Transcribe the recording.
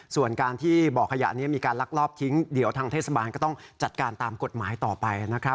ส่วนการที่บ่อขยะนี้มีการลักลอบทิ้งเดี๋ยวทางเทศบาลก็ต้องจัดการตามกฎหมายต่อไปนะครับ